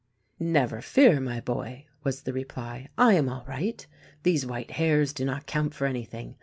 "Never fear, my boy," was the reply, "I am all right! These white hairs do not count for anything.